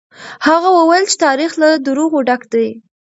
هغه وويل چې تاريخ له دروغو ډک دی.